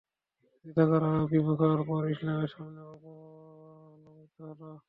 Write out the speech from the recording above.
বিরোধিতা করা ও বিমুখ হওয়ার পর ইসলামের সামনে অবনমিত হল।